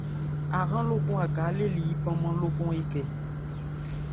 Ahrân a ka-lé á li yípɔ-nman lókɔn ékɛ.